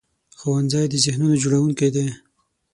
ښوونځی د ذهنونو جوړوونکی دی